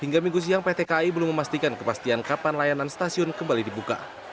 hingga minggu siang pt kai belum memastikan kepastian kapan layanan stasiun kembali dibuka